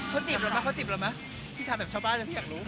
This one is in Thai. คนจีบหรอ้ะที่ทำแบบชาวบ้านอ้าวที่อยากรู้